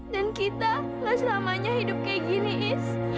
dan kita gak selamanya hidup kayak gini iis